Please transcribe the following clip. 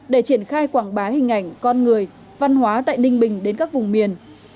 để triển khai quảng bá hình ảnh con người văn hóa tại ninh bình đến các vùng miền